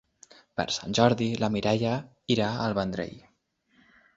Per Sant Jordi na Mireia irà al Vendrell.